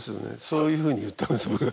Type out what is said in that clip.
そういうふうに言ったんです。